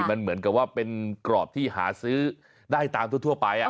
มันเหมือนกับว่าเป็นกรอบที่หาซื้อได้ตามทั่วไป